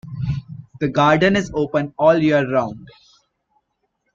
The garden is open all year round.